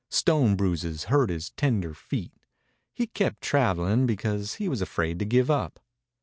Stone bruises hurt his tender feet. He kept traveling, because he was afraid to give up.